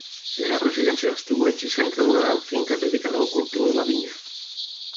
Era residència d'estiueig i centre d'una gran finca dedicada al cultiu de la vinya.